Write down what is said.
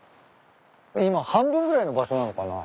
今半分ぐらいの場所なのかな？